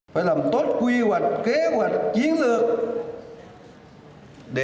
phải làm tốt quy hoạch kế hoạch chiến lược